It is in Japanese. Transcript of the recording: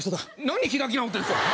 何開き直ってるんすか！